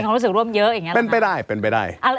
เป็นไปได้เป็นไปได้เป็นไปได้